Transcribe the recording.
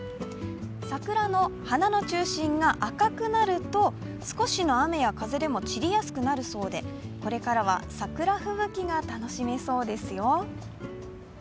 桜の花の中心が赤くなると少しの雨や風でも散りやすくなるそうでこれからは桜吹雪が楽しめそうですよ。